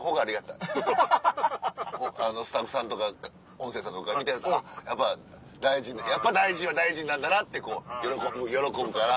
スタッフさんとか音声さんとか見てるからやっぱ大臣は大臣なんだなってこう喜ぶから。